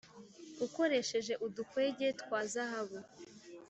Ukoresheje udukwege twa zahabu